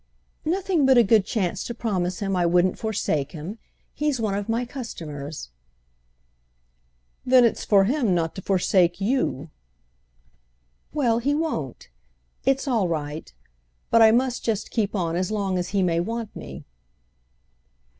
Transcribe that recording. "Nothing but a good chance to promise him I wouldn't forsake him. He's one of my customers." "Then it's for him not to forsake you." "Well, he won't. It's all right. But I must just keep on as long as he may want me."